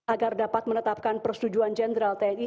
agar dapat menetapkan persetujuan jenderal tni